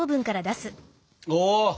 お！